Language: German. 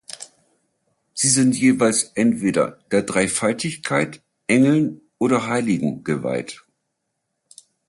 Sie sind jeweils entweder der Dreifaltigkeit, Engeln oder Heiligen geweiht.